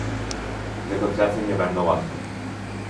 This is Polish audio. Negocjacje nie będą łatwe